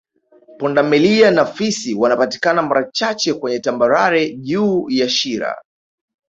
Punda milia na fisi wanapatikana mara chache kweye tambarare juu ya Shira